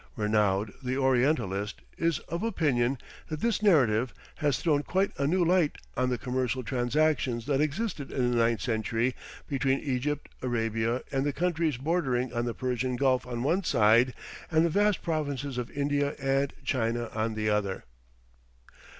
Renaud, the orientalist, is of opinion that this narrative "has thrown quite a new light on the commercial transactions that existed in the ninth century between Egypt, Arabia, and the countries bordering on the Persian Gulf on one side, and the vast provinces of India and China on the other."